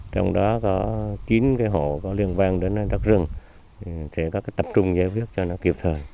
trong đó có chín hộ liên quan đến đất rừng sẽ có tập trung giới thiết cho nó kịp thời